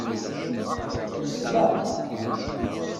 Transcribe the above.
Ẓẓleɣ.